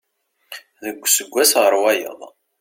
Deg useggas ɣer wayeḍ.